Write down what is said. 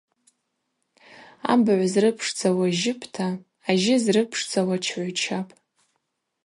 Абыгӏв зрыпшдзауа жьыпӏта, ажьы зрыпшдзауа чгӏвычапӏ.